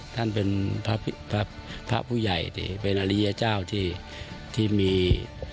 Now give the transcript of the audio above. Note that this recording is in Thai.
ท่านเป็นพระผู้ใหญ่ที่เป็นอริยเจ้าที่มี